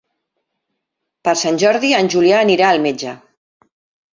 Per Sant Jordi en Julià anirà al metge.